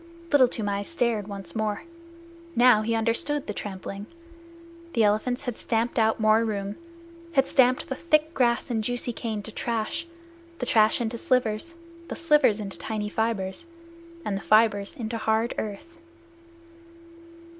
Little Toomai stared once more. Now he understood the trampling. The elephants had stamped out more room had stamped the thick grass and juicy cane to trash, the trash into slivers, the slivers into tiny fibers, and the fibers into hard earth.